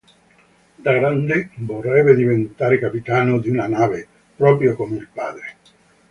Da grande vorrebbe diventare capitano di una nave, proprio come il padre.